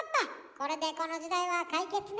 これでこの時代は解決ね。